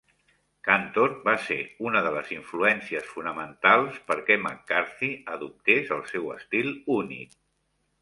Kantor va ser una de les influències fonamentals perquè McCarthy adoptés el seu estil únic.